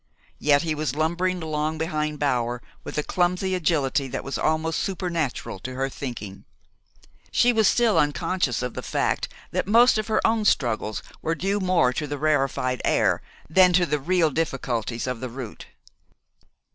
Yet he was lumbering along behind Bower with a clumsy agility that was almost supernatural to her thinking. She was still unconscious of the fact that most of her own struggles were due more to the rarefied air than to the real difficulties of the route.